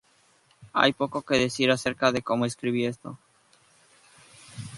Hay poco que decir acerca de cómo escribí esto.